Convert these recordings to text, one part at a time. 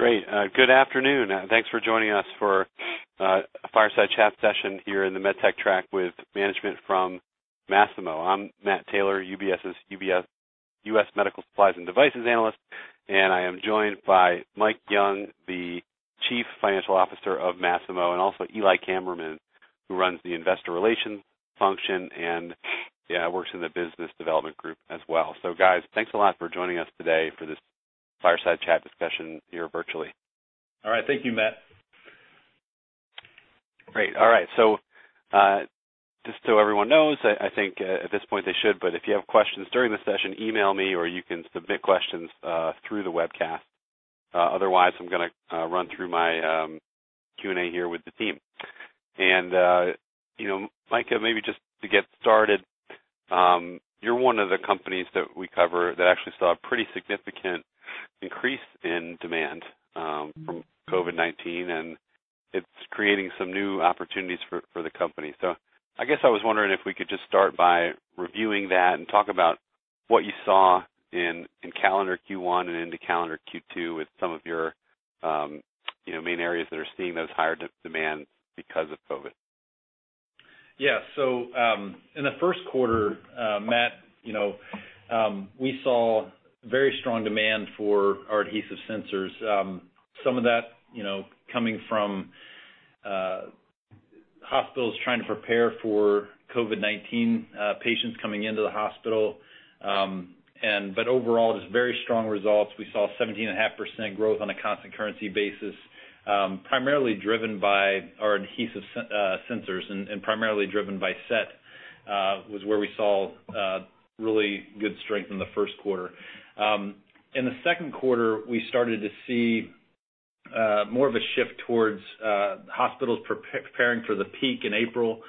Great. Good afternoon. Thanks for joining us for a fireside chat session here in the MedTech track with management from Masimo. I'm Matt Taylor, UBS's U.S. Medical Supplies and Devices Analyst, and I am joined by Micah Young, the Chief Financial Officer of Masimo, and also Eli Kammerman, who runs the Investor Relations function and works in the business development group as well. So guys, thanks a lot for joining us today for this fireside chat discussion here virtually. All right. Thank you, Matt. Great. All right. So just so everyone knows, I think at this point they should, but if you have questions during the session, email me or you can submit questions through the webcast. Otherwise, I'm going to run through my Q&A here with the team. And Micah, maybe just to get started, you're one of the companies that we cover that actually saw a pretty significant increase in demand from COVID-19, and it's creating some new opportunities for the company. So I guess I was wondering if we could just start by reviewing that and talk about what you saw in calendar Q1 and into calendar Q2 with some of your main areas that are seeing those higher demands because of COVID. Yeah. So in the first quarter, Matt, we saw very strong demand for our adhesive sensors, some of that coming from hospitals trying to prepare for COVID-19 patients coming into the hospital. But overall, just very strong results. We saw 17.5% growth on a constant currency basis, primarily driven by our adhesive sensors and primarily driven by SET, was where we saw really good strength in the first quarter. In the second quarter, we started to see more of a shift towards hospitals preparing for the peak in April.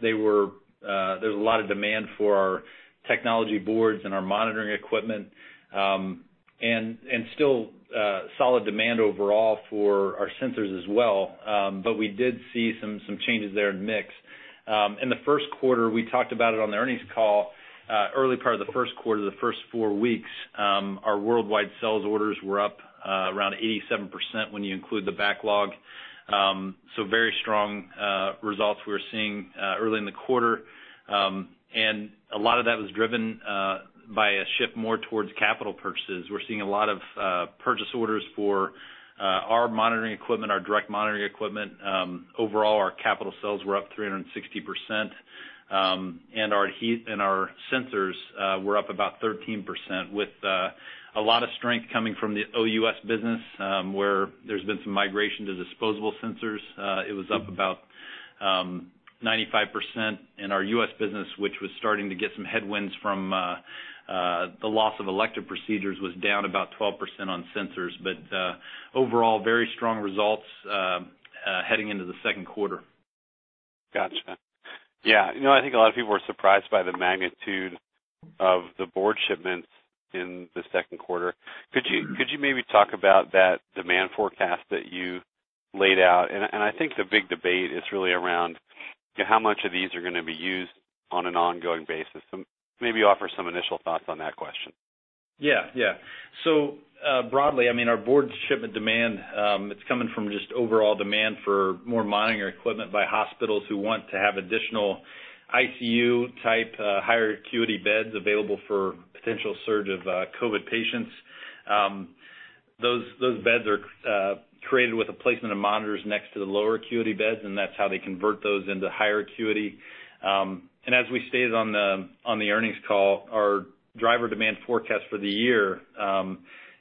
There was a lot of demand for our technology boards and our monitoring equipment and still solid demand overall for our sensors as well. But we did see some changes there in mix. In the first quarter, we talked about it on the earnings call. Early part of the first quarter, the first four weeks, our worldwide sales orders were up around 87% when you include the backlog. So very strong results we were seeing early in the quarter. And a lot of that was driven by a shift more towards capital purchases. We're seeing a lot of purchase orders for our monitoring equipment, our direct monitoring equipment. Overall, our capital sales were up 360%, and our sensors were up about 13% with a lot of strength coming from the OUS business where there's been some migration to disposable sensors. It was up about 95%. And our U.S. business, which was starting to get some headwinds from the loss of elective procedures, was down about 12% on sensors. But overall, very strong results heading into the second quarter. Gotcha. Yeah. I think a lot of people were surprised by the magnitude of the board shipments in the second quarter. Could you maybe talk about that demand forecast that you laid out? And I think the big debate is really around how much of these are going to be used on an ongoing basis. Maybe offer some initial thoughts on that question. Yeah. Yeah. So broadly, I mean, our broad shipment demand, it's coming from just overall demand for more monitoring equipment by hospitals who want to have additional ICU-type higher acuity beds available for potential surge of COVID patients. Those beds are created with a placement of monitors next to the lower acuity beds, and that's how they convert those into higher acuity. And as we stated on the earnings call, our driver demand forecast for the year,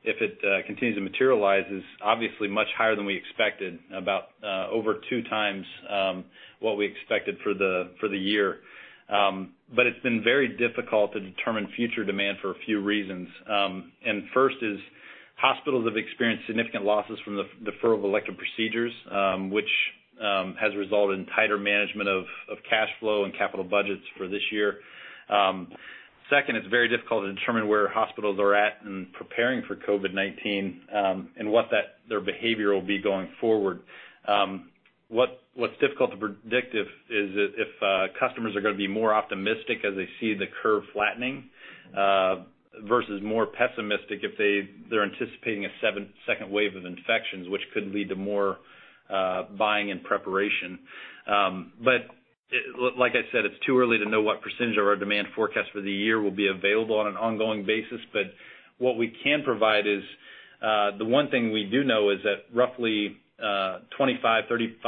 if it continues to materialize, is obviously much higher than we expected, about over two times what we expected for the year. But it's been very difficult to determine future demand for a few reasons. And first is hospitals have experienced significant losses from the deferral of elective procedures, which has resulted in tighter management of cash flow and capital budgets for this year. Second, it's very difficult to determine where hospitals are at in preparing for COVID-19 and what their behavior will be going forward. What's difficult to predict is if customers are going to be more optimistic as they see the curve flattening versus more pessimistic if they're anticipating a second wave of infections, which could lead to more buying and preparation. But like I said, it's too early to know what percentage of our demand forecast for the year will be available on an ongoing basis. But what we can provide is the one thing we do know is that roughly 25%-30%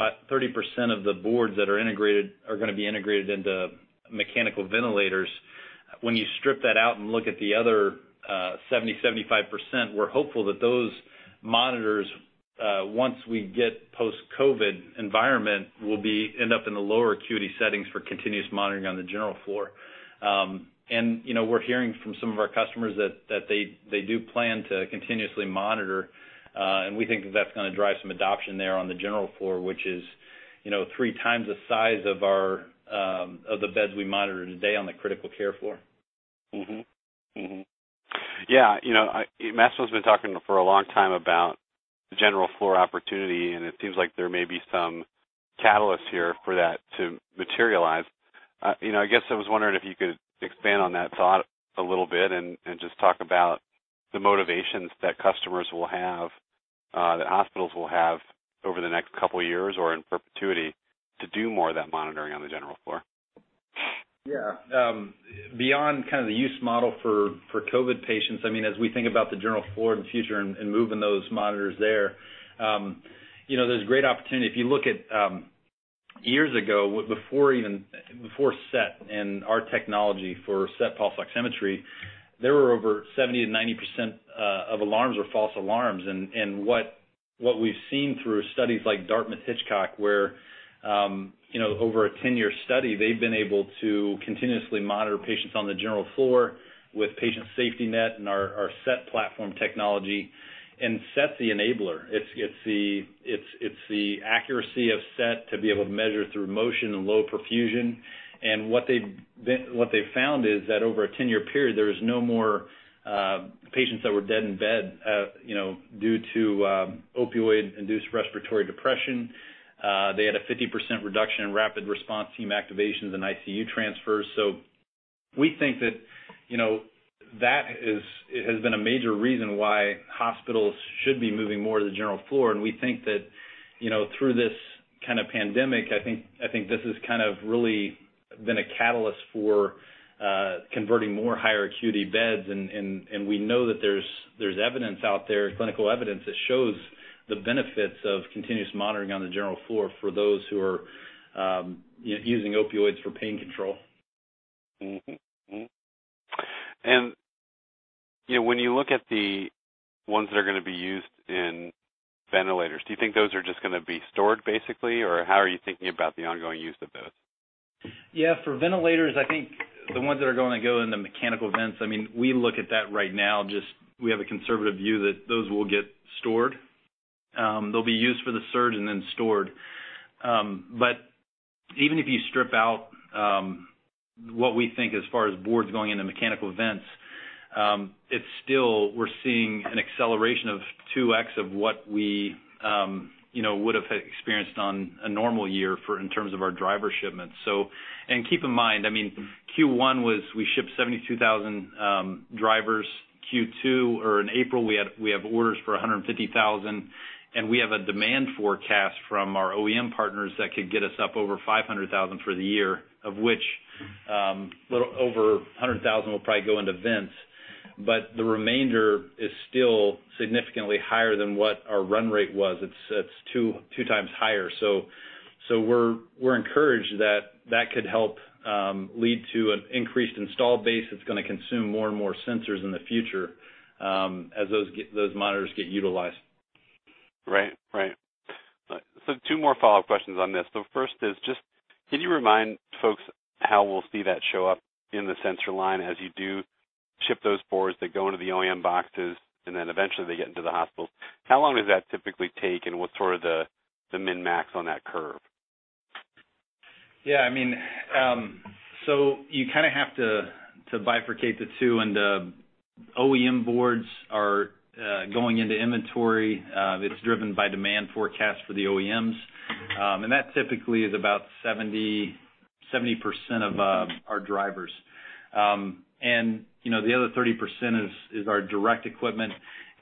of the boards that are integrated are going to be integrated into mechanical ventilators. When you strip that out and look at the other 70%-75%, we're hopeful that those monitors, once we get post-COVID environment, will end up in the lower acuity settings for continuous monitoring on the general floor, and we're hearing from some of our customers that they do plan to continuously monitor, and we think that that's going to drive some adoption there on the general floor, which is three times the size of the beds we monitor today on the critical care floor. Yeah. Masimo has been talking for a long time about general floor opportunity, and it seems like there may be some catalysts here for that to materialize. I guess I was wondering if you could expand on that thought a little bit and just talk about the motivations that customers will have, that hospitals will have over the next couple of years or in perpetuity to do more of that monitoring on the general floor. Yeah. Beyond kind of the use model for COVID patients, I mean, as we think about the general floor in the future and moving those monitors there, there's great opportunity. If you look at years ago, before SET and our technology for SET pulse oximetry, there were over 70%-90% of alarms were false alarms. And what we've seen through studies like Dartmouth-Hitchcock, where over a 10-year study, they've been able to continuously monitor patients on the general floor with Patient SafetyNet and our SET platform technology and SET the enabler. It's the accuracy of SET to be able to measure through motion and low perfusion. And what they found is that over a 10-year period, there were no more patients that were dead in bed due to opioid-induced respiratory depression. They had a 50% reduction in rapid response team activations and ICU transfers. So we think that that has been a major reason why hospitals should be moving more to the general floor. And we think that through this kind of pandemic, I think this has kind of really been a catalyst for converting more higher acuity beds. And we know that there's evidence out there, clinical evidence that shows the benefits of continuous monitoring on the general floor for those who are using opioids for pain control. And when you look at the ones that are going to be used in ventilators, do you think those are just going to be stored basically, or how are you thinking about the ongoing use of those? Yeah. For ventilators, I think the ones that are going to go in the mechanical vents, I mean, we look at that right now. Just we have a conservative view that those will get stored. They'll be used for the surge and then stored. But even if you strip out what we think as far as boards going into mechanical vents, we're seeing an acceleration of 2x of what we would have experienced on a normal year in terms of our driver shipments. And keep in mind, I mean, Q1 was we shipped 72,000 drivers. Q2, or in April, we have orders for 150,000. And we have a demand forecast from our OEM partners that could get us up over 500,000 for the year, of which a little over 100,000 will probably go into vents. But the remainder is still significantly higher than what our run rate was. It's two times higher, so we're encouraged that that could help lead to an increased install base that's going to consume more and more sensors in the future as those monitors get utilized. Right. Right, so two more follow-up questions on this. The first is just, can you remind folks how we'll see that show up in the sensor line as you do ship those boards that go into the OEM boxes and then eventually they get into the hospitals? How long does that typically take, and what's sort of the min/max on that curve? Yeah. I mean, so you kind of have to bifurcate the two. And OEM boards are going into inventory. It's driven by demand forecast for the OEMs. And that typically is about 70% of our drivers. And the other 30% is our direct equipment.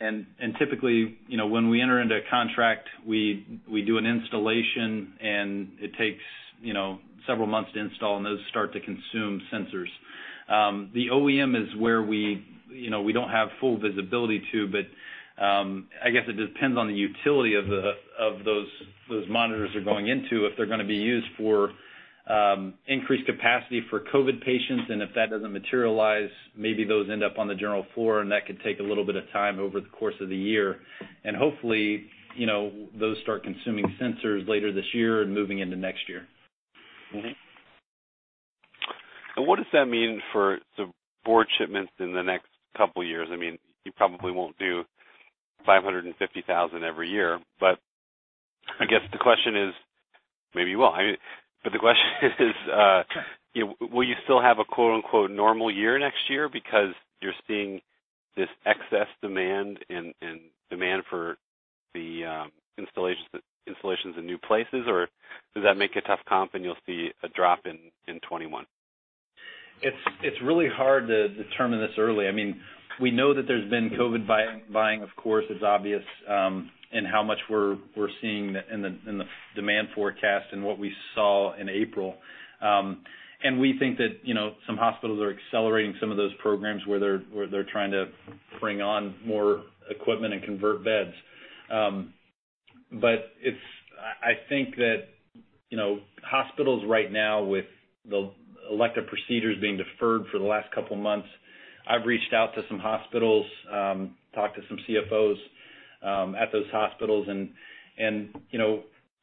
And typically, when we enter into a contract, we do an installation, and it takes several months to install, and those start to consume sensors. The OEM is where we don't have full visibility to, but I guess it depends on the utility of those monitors they're going into, if they're going to be used for increased capacity for COVID patients. And if that doesn't materialize, maybe those end up on the general floor, and that could take a little bit of time over the course of the year. And hopefully, those start consuming sensors later this year and moving into next year. What does that mean for the board shipments in the next couple of years? I mean, you probably won't do 550,000 every year, but I guess the question is, maybe you will. But the question is, will you still have a "normal year" next year because you're seeing this excess demand and demand for the installations in new places, or does that make it tough comp and you'll see a drop in 2021? It's really hard to determine this early. I mean, we know that there's been COVID buying, of course. It's obvious in how much we're seeing in the demand forecast and what we saw in April. And we think that some hospitals are accelerating some of those programs where they're trying to bring on more equipment and convert beds. But I think that hospitals right now, with the elective procedures being deferred for the last couple of months, I've reached out to some hospitals, talked to some CFOs at those hospitals, and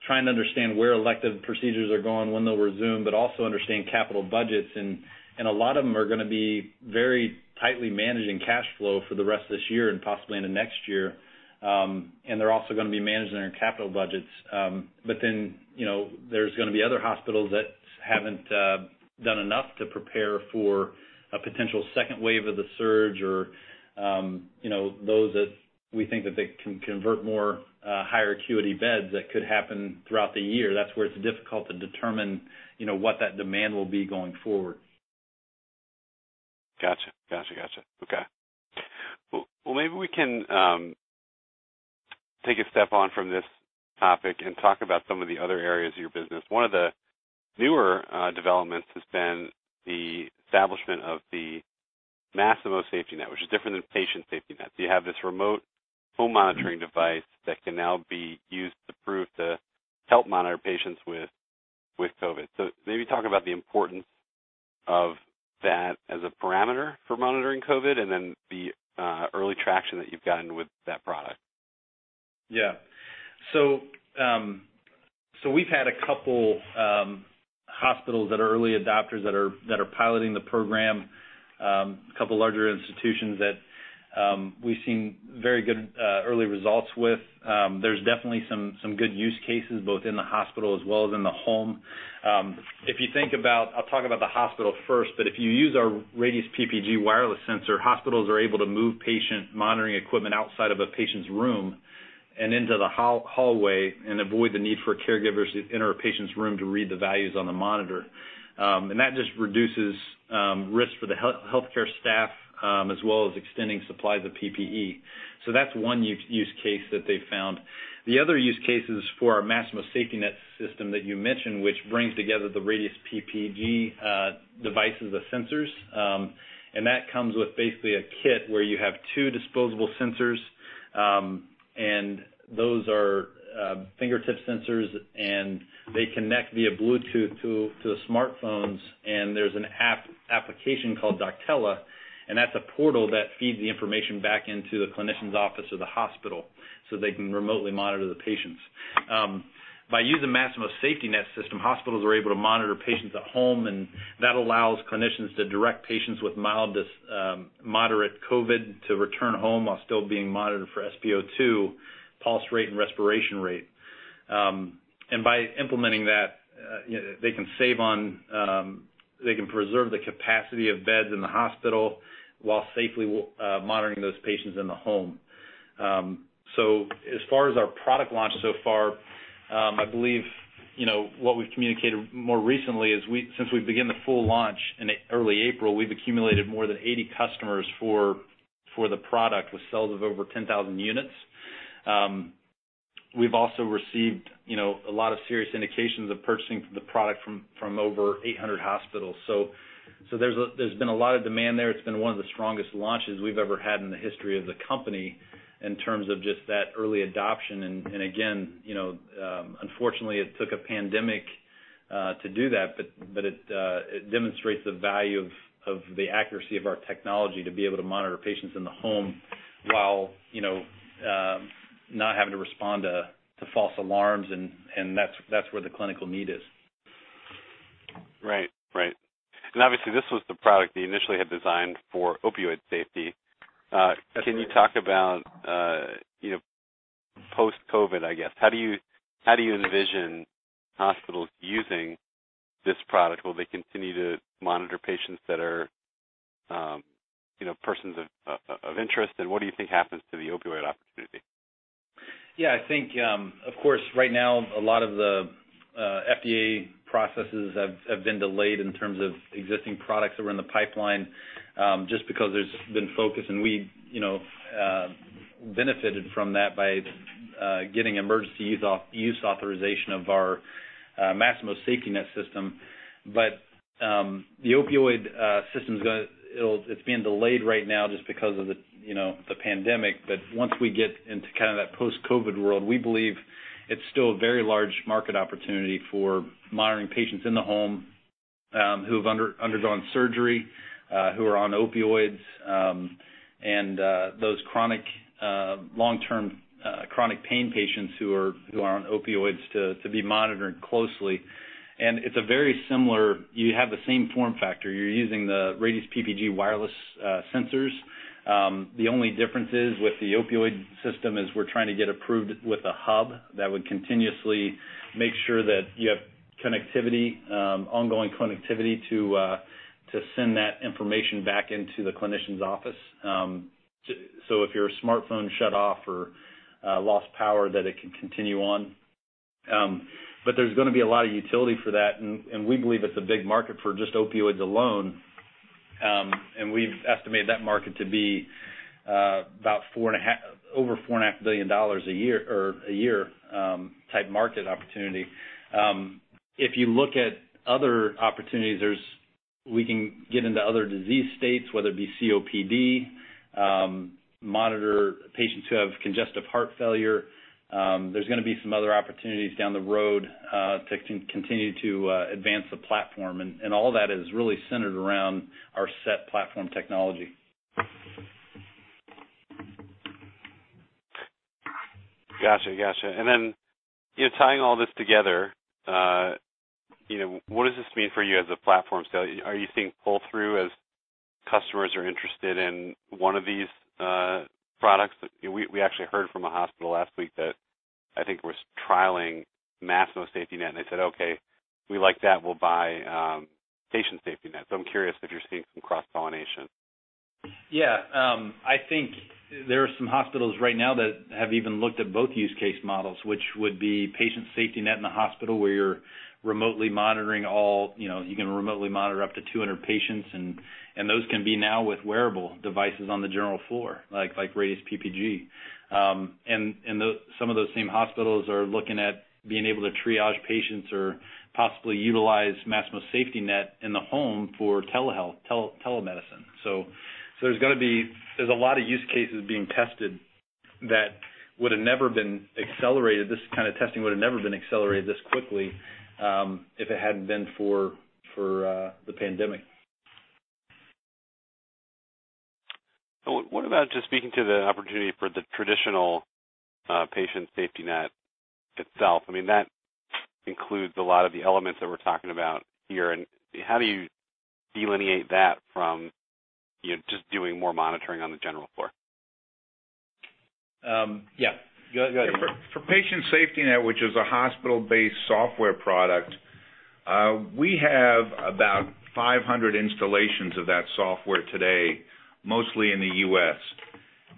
trying to understand where elective procedures are going, when they'll resume, but also understand capital budgets. And a lot of them are going to be very tightly managing cash flow for the rest of this year and possibly into next year. And they're also going to be managing their capital budgets. But then there's going to be other hospitals that haven't done enough to prepare for a potential second wave of the surge or those that we think that they can convert more higher acuity beds that could happen throughout the year. That's where it's difficult to determine what that demand will be going forward. Gotcha. Okay. Well, maybe we can take a step back from this topic and talk about some of the other areas of your business. One of the newer developments has been the establishment of the Masimo SafetyNet, which is different than Patient SafetyNet. So you have this remote home monitoring device that can now be used to provide to help monitor patients with COVID. So maybe talk about the importance of that as a platform for monitoring COVID and then the early traction that you've gotten with that product. Yeah. So we've had a couple hospitals that are early adopters that are piloting the program, a couple of larger institutions that we've seen very good early results with. There's definitely some good use cases both in the hospital as well as in the home. If you think about, I'll talk about the hospital first, but if you use our Radius PPG wireless sensor, hospitals are able to move patient monitoring equipment outside of a patient's room and into the hallway and avoid the need for caregivers to enter a patient's room to read the values on the monitor, and that just reduces risk for the healthcare staff as well as extending supplies of PPE, so that's one use case that they found. The other use case is for our Masimo SafetyNet system that you mentioned, which brings together the Radius PPG devices of sensors. That comes with basically a kit where you have two disposable sensors, and those are fingertip sensors, and they connect via Bluetooth to the smartphones. There's an app application called Doctella, and that's a portal that feeds the information back into the clinician's office or the hospital so they can remotely monitor the patients. By using Masimo SafetyNet system, hospitals are able to monitor patients at home, and that allows clinicians to direct patients with mild to moderate COVID to return home while still being monitored for SpO2, pulse rate, and respiration rate. By implementing that, they can preserve the capacity of beds in the hospital while safely monitoring those patients in the home. So as far as our product launch so far, I believe what we've communicated more recently is since we began the full launch in early April, we've accumulated more than 80 customers for the product with sales of over 10,000 units. We've also received a lot of serious indications of purchasing the product from over 800 hospitals. So there's been a lot of demand there. It's been one of the strongest launches we've ever had in the history of the company in terms of just that early adoption. And again, unfortunately, it took a pandemic to do that, but it demonstrates the value of the accuracy of our technology to be able to monitor patients in the home while not having to respond to false alarms, and that's where the clinical need is. Right. Right. And obviously, this was the product they initially had designed for opioid safety. Can you talk about post-COVID, I guess? How do you envision hospitals using this product? Will they continue to monitor patients that are persons of interest, and what do you think happens to the opioid opportunity? Yeah. I think, of course, right now, a lot of the FDA processes have been delayed in terms of existing products that were in the pipeline just because there's been focus, and we benefited from that by getting emergency use authorization of our Masimo SafetyNet system. But the opioid system is going to, it's being delayed right now just because of the pandemic. But once we get into kind of that post-COVID world, we believe it's still a very large market opportunity for monitoring patients in the home who have undergone surgery, who are on opioids, and those long-term chronic pain patients who are on opioids to be monitored closely. And it's a very similar, you have the same form factor. You're using the Radius PPG wireless sensors. The only difference is with the opioid system is we're trying to get approved with a hub that would continuously make sure that you have ongoing connectivity to send that information back into the clinician's office. So if your smartphone shut off or lost power, that it can continue on. But there's going to be a lot of utility for that, and we believe it's a big market for just opioids alone. And we've estimated that market to be about over $4.5 billion a year type market opportunity. If you look at other opportunities, we can get into other disease states, whether it be COPD, monitor patients who have congestive heart failure. There's going to be some other opportunities down the road to continue to advance the platform. And all that is really centered around our SET platform technology. Gotcha. Gotcha. And then tying all this together, what does this mean for you as a platform sale? Are you seeing pull-through as customers are interested in one of these products? We actually heard from a hospital last week that I think was trialing Masimo SafetyNet, and they said, "Okay, we like that. We'll buy Patient SafetyNet." So I'm curious if you're seeing some cross-pollination. Yeah. I think there are some hospitals right now that have even looked at both use case models, which would be Patient SafetyNet in the hospital where you're remotely monitoring all. You can remotely monitor up to 200 patients, and those can be now with wearable devices on the general floor, like Radius PPG. And some of those same hospitals are looking at being able to triage patients or possibly utilize Masimo SafetyNet in the home for telehealth, telemedicine. So there's got to be. There's a lot of use cases being tested that would have never been accelerated. This kind of testing would have never been accelerated this quickly if it hadn't been for the pandemic. So what about just speaking to the opportunity for the traditional Patient SafetyNet itself? I mean, that includes a lot of the elements that we're talking about here. And how do you delineate that from just doing more monitoring on the general floor? Yeah. Go ahead. For Patient SafetyNet, which is a hospital-based software product, we have about 500 installations of that software today, mostly in the U.S.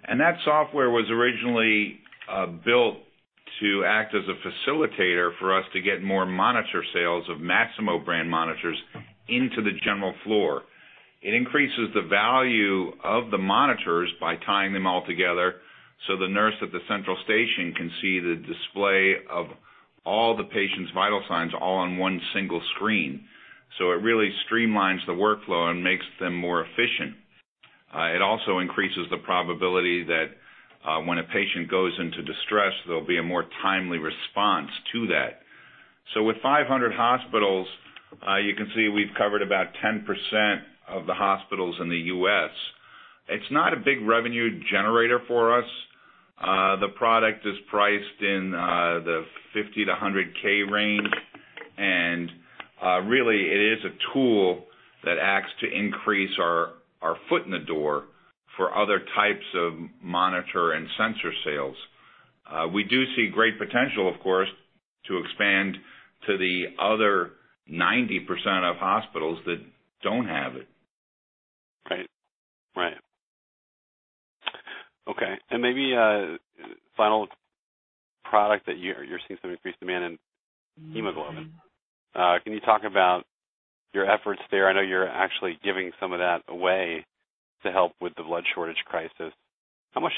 And that software was originally built to act as a facilitator for us to get more monitor sales of Masimo brand monitors into the general floor. It increases the value of the monitors by tying them all together so the nurse at the central station can see the display of all the patient's vital signs all on one single screen, so it really streamlines the workflow and makes them more efficient. It also increases the probability that when a patient goes into distress, there'll be a more timely response to that, so with 500 hospitals, you can see we've covered about 10% of the hospitals in the U.S. It's not a big revenue generator for us. The product is priced in the $50,000-$100,000 range, and really, it is a tool that acts to increase our foot in the door for other types of monitor and sensor sales. We do see great potential, of course, to expand to the other 90% of hospitals that don't have it. Right. Right. Okay. And maybe final product that you're seeing some increased demand in hemoglobin. Can you talk about your efforts there? I know you're actually giving some of that away to help with the blood shortage crisis. How much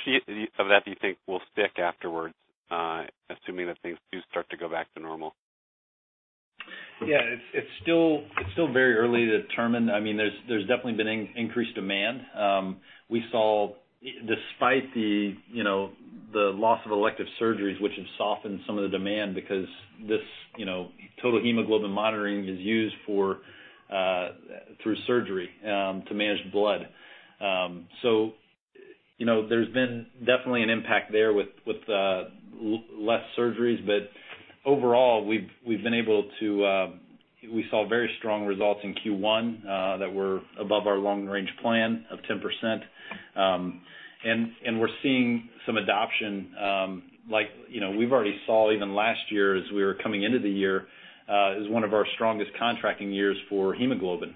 of that do you think will stick afterwards, assuming that things do start to go back to normal? Yeah. It's still very early to determine. I mean, there's definitely been increased demand. We saw, despite the loss of elective surgeries, which has softened some of the demand because this total hemoglobin monitoring is used through surgery to manage blood. So there's been definitely an impact there with less surgeries, but overall, we've been able to. We saw very strong results in Q1 that were above our long-range plan of 10%. And we're seeing some adoption. We've already saw even last year as we were coming into the year is one of our strongest contracting years for hemoglobin.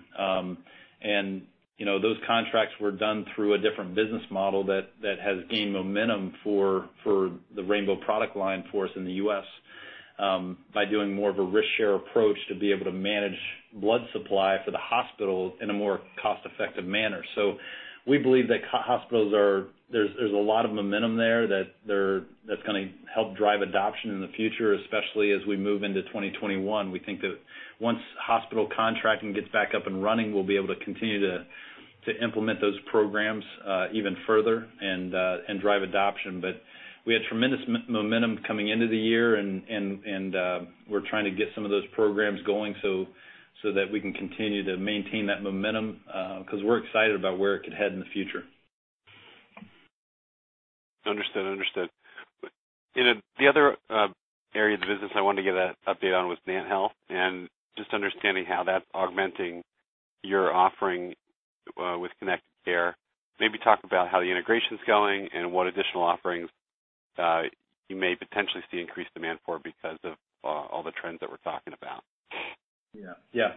And those contracts were done through a different business model that has gained momentum for the Rainbow product line for us in the U.S. by doing more of a risk-share approach to be able to manage blood supply for the hospital in a more cost-effective manner. So we believe that hospitals, there's a lot of momentum there that's going to help drive adoption in the future, especially as we move into 2021. We think that once hospital contracting gets back up and running, we'll be able to continue to implement those programs even further and drive adoption. But we had tremendous momentum coming into the year, and we're trying to get some of those programs going so that we can continue to maintain that momentum because we're excited about where it could head in the future. Understood. Understood. The other area of the business I wanted to get an update on was NantHealth and just understanding how that's augmenting your offering with Connected Care. Maybe talk about how the integration's going and what additional offerings you may potentially see increased demand for because of all the trends that we're talking about. Yeah. Yeah.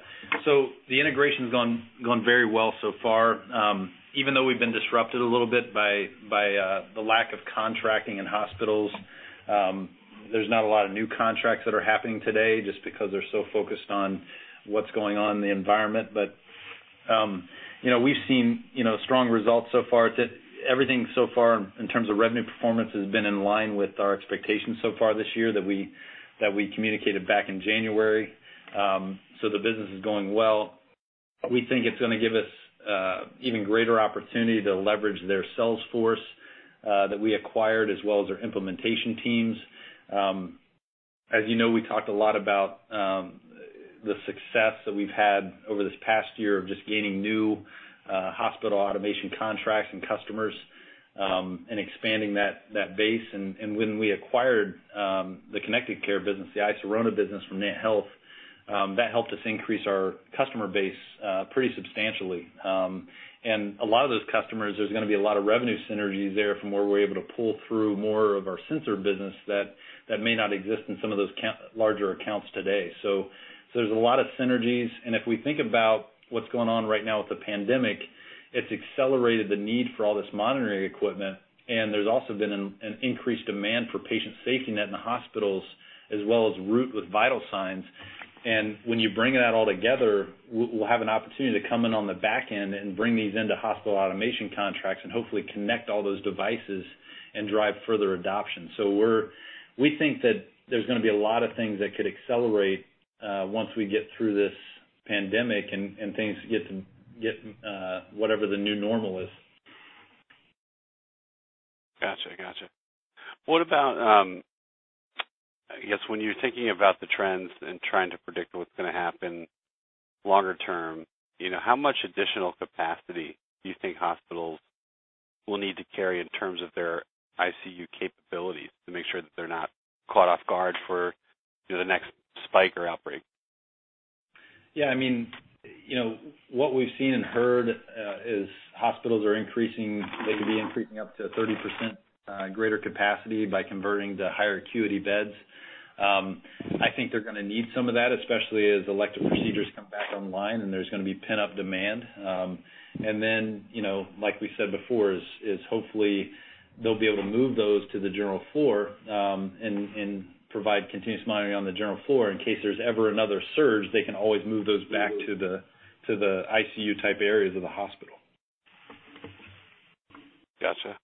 So the integration's gone very well so far. Even though we've been disrupted a little bit by the lack of contracting in hospitals, there's not a lot of new contracts that are happening today just because they're so focused on what's going on in the environment. But we've seen strong results so far. Everything so far in terms of revenue performance has been in line with our expectations so far this year that we communicated back in January. So the business is going well. We think it's going to give us even greater opportunity to leverage their sales force that we acquired as well as their implementation teams. As you know, we talked a lot about the success that we've had over this past year of just gaining new hospital automation contracts and customers and expanding that base. When we acquired the Connected Care business, the iSirona business from NantHealth, that helped us increase our customer base pretty substantially. A lot of those customers, there's going to be a lot of revenue synergies there from where we're able to pull through more of our sensor business that may not exist in some of those larger accounts today. There's a lot of synergies. If we think about what's going on right now with the pandemic, it's accelerated the need for all this monitoring equipment. There's also been an increased demand for Patient SafetyNet in the hospitals as well as Root with vital signs. When you bring that all together, we'll have an opportunity to come in on the back end and bring these into hospital automation contracts and hopefully connect all those devices and drive further adoption. So we think that there's going to be a lot of things that could accelerate once we get through this pandemic and things get to whatever the new normal is. Gotcha. Gotcha. What about, I guess, when you're thinking about the trends and trying to predict what's going to happen longer term, how much additional capacity do you think hospitals will need to carry in terms of their ICU capabilities to make sure that they're not caught off guard for the next spike or outbreak? Yeah. I mean, what we've seen and heard is hospitals are increasing. They could be increasing up to 30% greater capacity by converting to higher acuity beds. I think they're going to need some of that, especially as elective procedures come back online and there's going to be pent-up demand. And then, like we said before, is hopefully they'll be able to move those to the general floor and provide continuous monitoring on the general floor. In case there's ever another surge, they can always move those back to the ICU type areas of the hospital. Gotcha.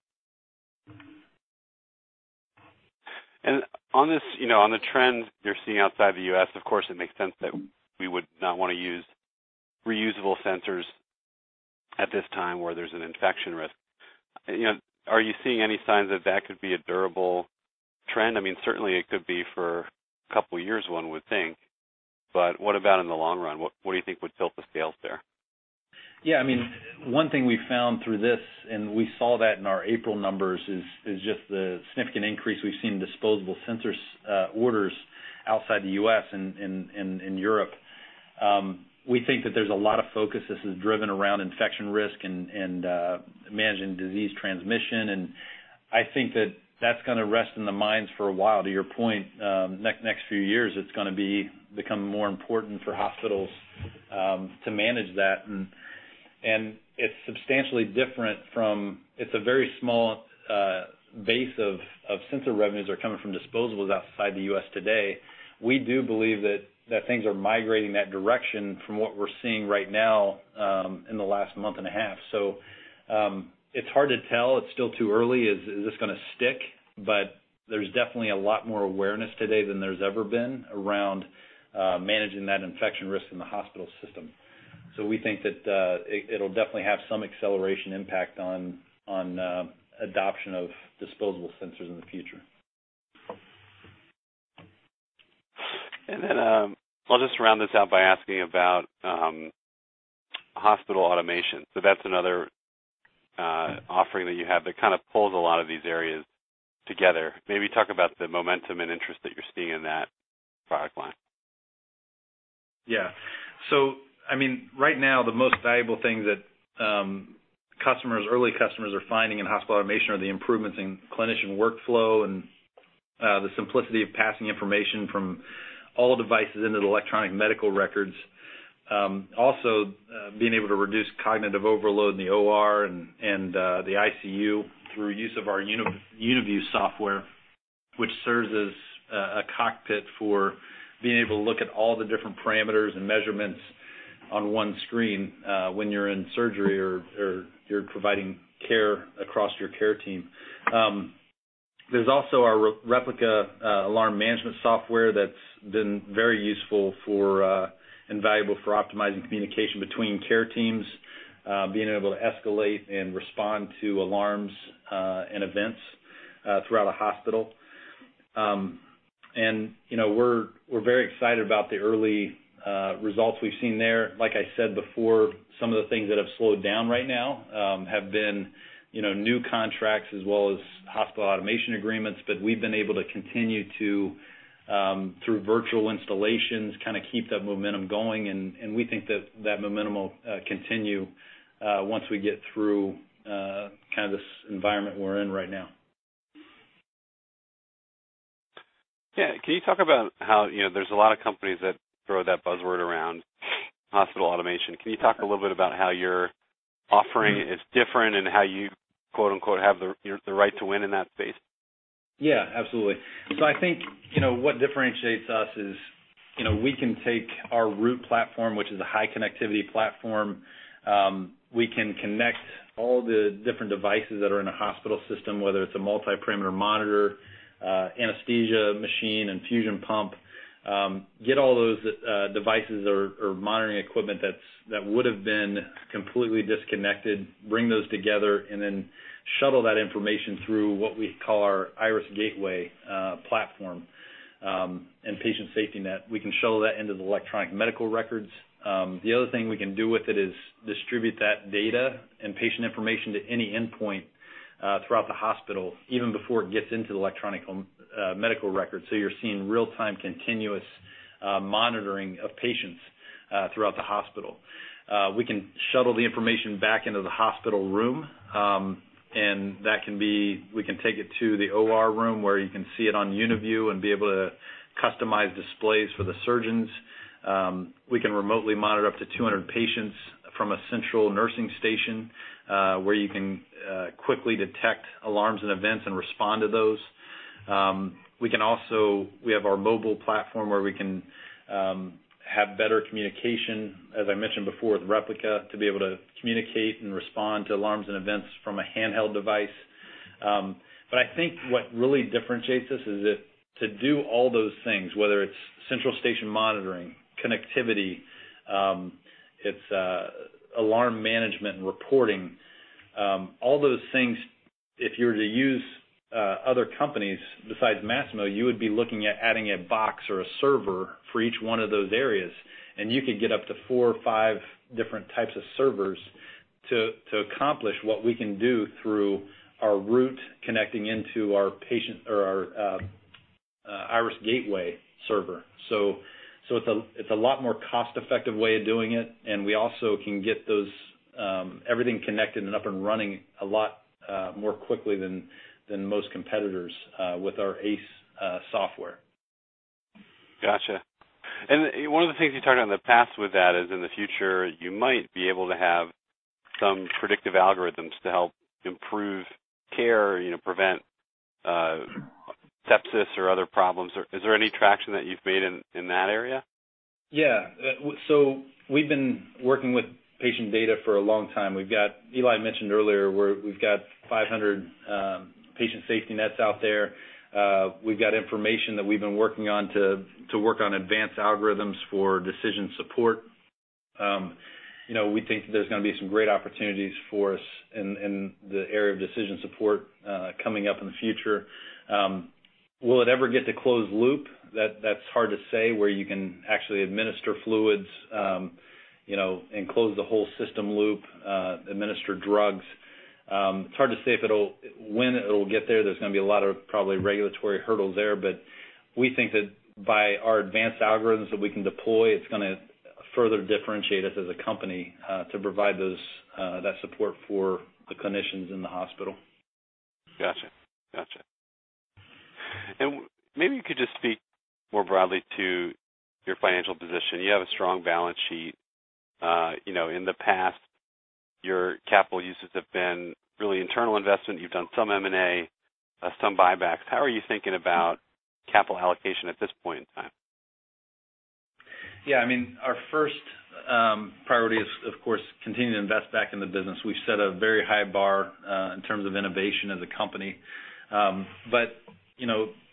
And on the trends you're seeing outside the U.S., of course, it makes sense that we would not want to use reusable sensors at this time where there's an infection risk. Are you seeing any signs that that could be a durable trend? I mean, certainly it could be for a couple of years, one would think. But what about in the long run? What do you think would tilt the scales there? Yeah. I mean, one thing we found through this, and we saw that in our April numbers, is just the significant increase we've seen in disposable sensors orders outside the U.S. and in Europe. We think that there's a lot of focus. This is driven around infection risk and managing disease transmission. And I think that that's going to rest in the minds for a while. To your point, next few years, it's going to become more important for hospitals to manage that. And it's substantially different from it's a very small base of sensor revenues that are coming from disposables outside the U.S. today. We do believe that things are migrating that direction from what we're seeing right now in the last month and a half. So it's hard to tell. It's still too early. Is this going to stick? But there's definitely a lot more awareness today than there's ever been around managing that infection risk in the hospital system. So we think that it'll definitely have some acceleration impact on adoption of disposable sensors in the future. And then I'll just round this out by asking about hospital automation. So that's another offering that you have that kind of pulls a lot of these areas together. Maybe talk about the momentum and interest that you're seeing in that product line. Yeah, so I mean, right now, the most valuable thing that customers, early customers, are finding in hospital automation are the improvements in clinician workflow and the simplicity of passing information from all devices into the electronic medical records. Also, being able to reduce cognitive overload in the OR and the ICU through use of our UniView software, which serves as a cockpit for being able to look at all the different parameters and measurements on one screen when you're in surgery or you're providing care across your care team. There's also our Replica alarm management software that's been very useful and valuable for optimizing communication between care teams, being able to escalate and respond to alarms and events throughout a hospital, and we're very excited about the early results we've seen there. Like I said before, some of the things that have slowed down right now have been new contracts as well as hospital automation agreements. But we've been able to continue to, through virtual installations, kind of keep that momentum going. And we think that that momentum will continue once we get through kind of this environment we're in right now. Yeah. Can you talk about how there's a lot of companies that throw that buzzword around hospital automation? Can you talk a little bit about how your offering is different and how you "have the right to win" in that space? Yeah. Absolutely. So I think what differentiates us is we can take our Root platform, which is a high-connectivity platform. We can connect all the different devices that are in a hospital system, whether it's a multi-parameter monitor, anesthesia machine, infusion pump, get all those devices or monitoring equipment that would have been completely disconnected, bring those together, and then shuttle that information through what we call our Iris Gateway platform and Patient SafetyNet. We can shuttle that into the electronic medical records. The other thing we can do with it is distribute that data and patient information to any endpoint throughout the hospital, even before it gets into the electronic medical record. So you're seeing real-time continuous monitoring of patients throughout the hospital. We can shuttle the information back into the hospital room, and we can take it to the OR room where you can see it on UniView and be able to customize displays for the surgeons. We can remotely monitor up to 200 patients from a central nursing station where you can quickly detect alarms and events and respond to those. We have our mobile platform where we can have better communication, as I mentioned before, with Replica to be able to communicate and respond to alarms and events from a handheld device. But I think what really differentiates us is that to do all those things, whether it's central station monitoring, connectivity, it's alarm management and reporting, all those things, if you were to use other companies besides Masimo, you would be looking at adding a box or a server for each one of those areas. And you could get up to four or five different types of servers to accomplish what we can do through our Root connecting into our Iris Gateway server. So it's a lot more cost-effective way of doing it. And we also can get everything connected and up and running a lot more quickly than most competitors with our ACE software. Gotcha. And one of the things you talked about in the past with that is in the future, you might be able to have some predictive algorithms to help improve care, prevent sepsis or other problems. Is there any traction that you've made in that area? Yeah, so we've been working with patient data for a long time. Eli mentioned earlier where we've got 500 Patient SafetyNets out there. We've got information that we've been working on to work on advanced algorithms for decision support. We think that there's going to be some great opportunities for us in the area of decision support coming up in the future. Will it ever get to closed loop? That's hard to say where you can actually administer fluids and close the whole system loop, administer drugs. It's hard to say when it'll get there. There's going to be a lot of probably regulatory hurdles there. But we think that by our advanced algorithms that we can deploy, it's going to further differentiate us as a company to provide that support for the clinicians in the hospital. Gotcha. Gotcha. And maybe you could just speak more broadly to your financial position. You have a strong balance sheet. In the past, your capital uses have been really internal investment. You've done some M&A, some buybacks. How are you thinking about capital allocation at this point in time? Yeah. I mean, our first priority is, of course, continuing to invest back in the business. We've set a very high bar in terms of innovation as a company. But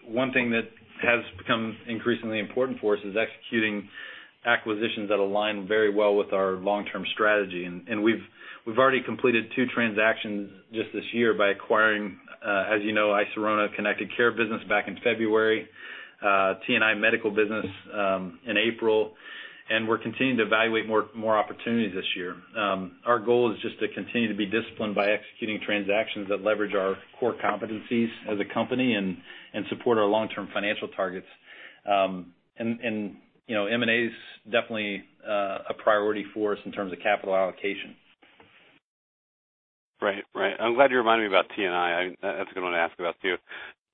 one thing that has become increasingly important for us is executing acquisitions that align very well with our long-term strategy. And we've already completed two transactions just this year by acquiring, as you know, iSirona Connected Care business back in February, TNI Medical business in April. And we're continuing to evaluate more opportunities this year. Our goal is just to continue to be disciplined by executing transactions that leverage our core competencies as a company and support our long-term financial targets. And M&A is definitely a priority for us in terms of capital allocation. Right. Right. I'm glad you reminded me about TNI. That's a good one to ask about too.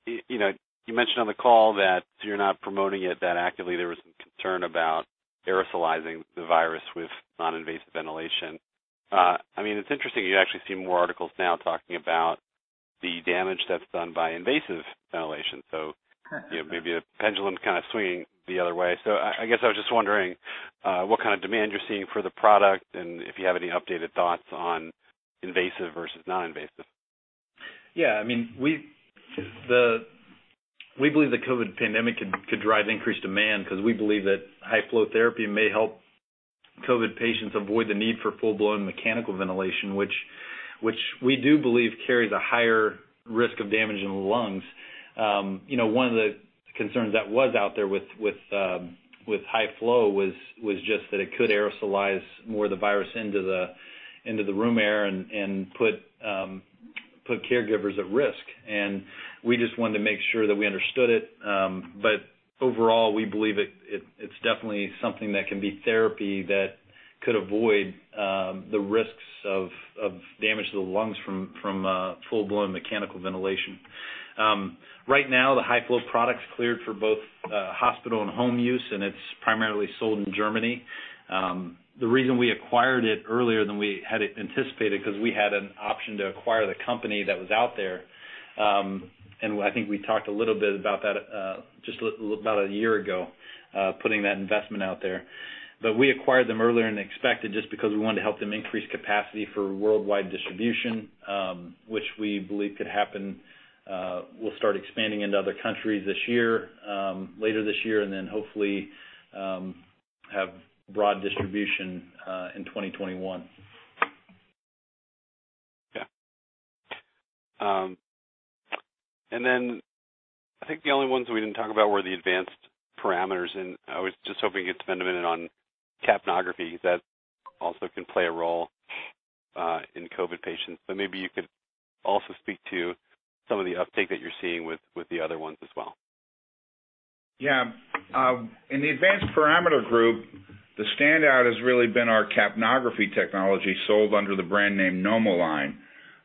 You mentioned on the call that you're not promoting it that actively. There was some concern about aerosolizing the virus with non-invasive ventilation. I mean, it's interesting you actually see more articles now talking about the damage that's done by invasive ventilation. So maybe the pendulum's kind of swinging the other way. So I guess I was just wondering what kind of demand you're seeing for the product and if you have any updated thoughts on invasive versus non-invasive? Yeah. I mean, we believe the COVID pandemic could drive increased demand because we believe that high-flow therapy may help COVID patients avoid the need for full-blown mechanical ventilation, which we do believe carries a higher risk of damage in the lungs. One of the concerns that was out there with high-flow was just that it could aerosolize more of the virus into the room air and put caregivers at risk. And we just wanted to make sure that we understood it. But overall, we believe it's definitely something that can be therapy that could avoid the risks of damage to the lungs from full-blown mechanical ventilation. Right now, the high-flow product's cleared for both hospital and home use, and it's primarily sold in Germany. The reason we acquired it earlier than we had anticipated is because we had an option to acquire the company that was out there. I think we talked a little bit about that just about a year ago, putting that investment out there. We acquired them earlier than expected just because we wanted to help them increase capacity for worldwide distribution, which we believe could happen. We'll start expanding into other countries this year, later this year, and then hopefully have broad distribution in 2021. Yeah. And then I think the only ones we didn't talk about were the advanced parameters. And I was just hoping you could spend a minute on capnography because that also can play a role in COVID patients. But maybe you could also speak to some of the uptake that you're seeing with the other ones as well. Yeah. In the advanced parameter group, the standout has really been our capnography technology sold under the brand name NomoLine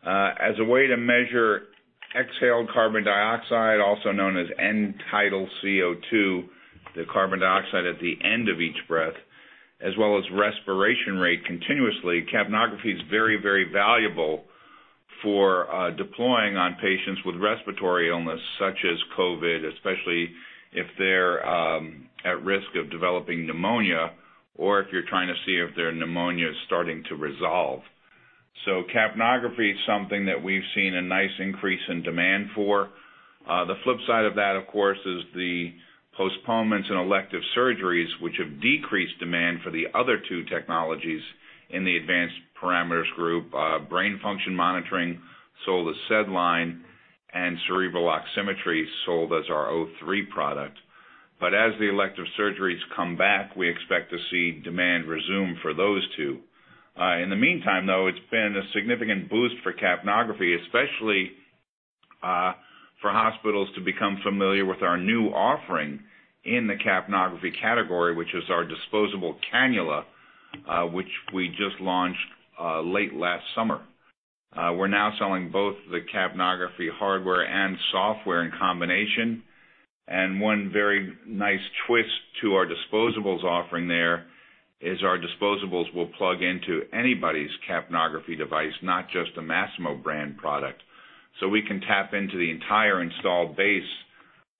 as a way to measure exhaled carbon dioxide, also known as end-tidal CO2, the carbon dioxide at the end of each breath, as well as respiration rate continuously. Capnography is very, very valuable for deploying on patients with respiratory illness such as COVID, especially if they're at risk of developing pneumonia or if you're trying to see if their pneumonia is starting to resolve. So capnography is something that we've seen a nice increase in demand for. The flip side of that, of course, is the postponements in elective surgeries, which have decreased demand for the other two technologies in the advanced parameters group. Brain function monitoring sold as SedLine, and cerebral oximetry sold as our O3 product. But as the elective surgeries come back, we expect to see demand resume for those two. In the meantime, though, it's been a significant boost for capnography, especially for hospitals to become familiar with our new offering in the capnography category, which is our disposable cannula, which we just launched late last summer. We're now selling both the capnography hardware and software in combination. And one very nice twist to our disposables offering there is our disposables will plug into anybody's capnography device, not just a Masimo brand product. So we can tap into the entire install base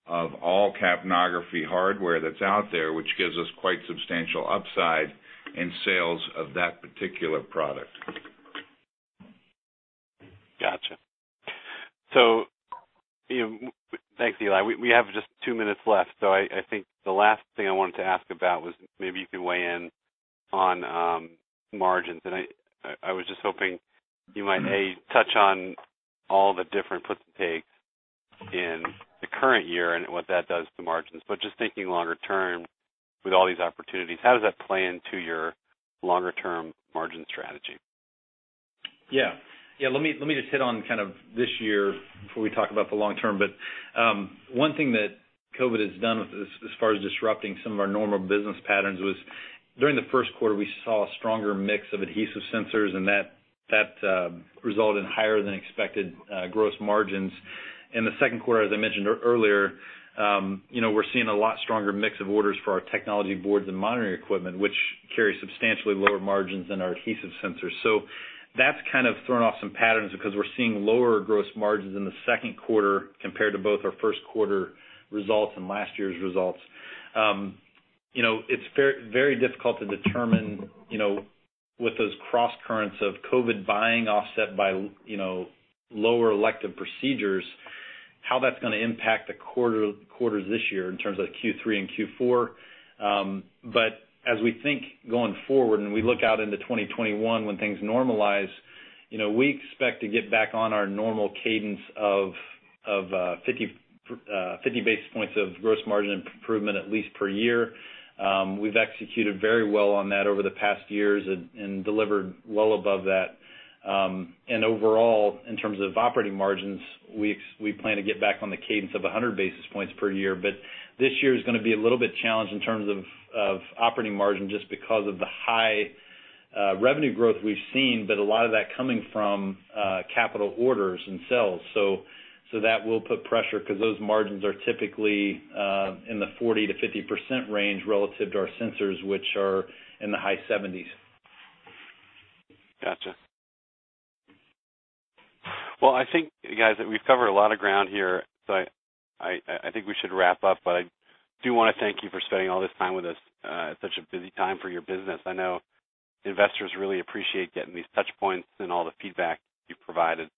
of all capnography hardware that's out there, which gives us quite substantial upside in sales of that particular product. Gotcha. So thanks, Eli. We have just two minutes left. So I think the last thing I wanted to ask about was maybe you could weigh in on margins. And I was just hoping you might, A, touch on all the different puts and takes in the current year and what that does to margins. But just thinking longer term with all these opportunities, how does that play into your longer-term margin strategy? Yeah. Yeah. Let me just hit on kind of this year before we talk about the long term. But one thing that COVID has done as far as disrupting some of our normal business patterns was during the first quarter, we saw a stronger mix of adhesive sensors, and that resulted in higher-than-expected gross margins. In the second quarter, as I mentioned earlier, we're seeing a lot stronger mix of orders for our technology boards and monitoring equipment, which carry substantially lower margins than our adhesive sensors. So that's kind of thrown off some patterns because we're seeing lower gross margins in the second quarter compared to both our first-quarter results and last year's results. It's very difficult to determine with those cross currents of COVID buying offset by lower elective procedures how that's going to impact the quarters this year in terms of Q3 and Q4. But as we think going forward and we look out into 2021 when things normalize, we expect to get back on our normal cadence of 50 basis points of gross margin improvement at least per year. We've executed very well on that over the past years and delivered well above that. And overall, in terms of operating margins, we plan to get back on the cadence of 100 basis points per year. But this year is going to be a little bit challenged in terms of operating margin just because of the high revenue growth we've seen, but a lot of that coming from capital orders and sales. So that will put pressure because those margins are typically in the 40%-50% range relative to our sensors, which are in the high 70s%. Gotcha. Well, I think, guys, that we've covered a lot of ground here. So I think we should wrap up. But I do want to thank you for spending all this time with us at such a busy time for your business. I know investors really appreciate getting these touchpoints and all the feedback you've provided.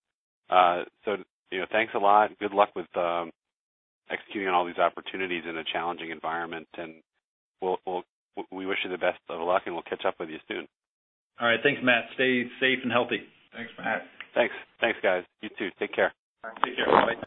So thanks a lot. Good luck with executing on all these opportunities in a challenging environment. And we wish you the best of luck, and we'll catch up with you soon. All right. Thanks, Matt. Stay safe and healthy. Thanks, Matt. Thanks. Thanks, guys. You too. Take care. All right. Take care. Bye.